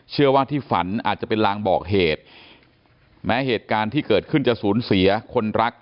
เชื่อว่าที่ฝันอาจจะเป็นลางบอกเหตุแม้เหตุการณ์ที่เกิดขึ้นจะสูญเสียคนรัก